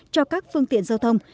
cho các phương tiện giao thông